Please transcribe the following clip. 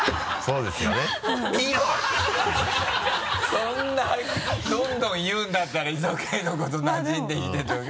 そんなどんどん言うんだったら磯貝のこと「なじんできて」とか。